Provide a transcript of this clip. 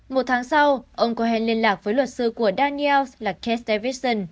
một tháng sau ông cohen liên lạc với luật sư của daniels là cass davidson